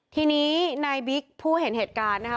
ทีนี้นายบิ๊กผู้เห็นเหตุการณ์นะคะ